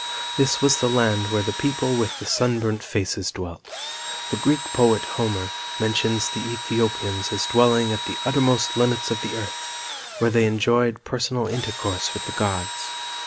This was the land where the people with the sunburnt faces dwelt. The Greek poet, Homer, mentions the Ethiopians as dwelling at the uttermost limits of the earth, where they enjoyed personal intercourse with the gods.